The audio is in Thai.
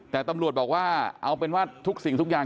แต่ตำรวจบอกว่าเอาเป็นว่าทุกสิ่งทุกอย่าง